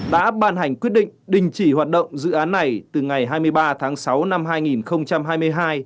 đã ban hành quyết định đình chỉ hoạt động dự án này từ ngày hai mươi ba tháng sáu năm hai nghìn hai mươi hai